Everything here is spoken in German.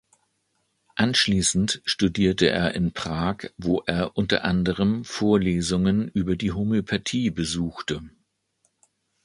Anschließend studierte er in Prag, wo er unter anderem Vorlesungen über die Homöopathie besuchte.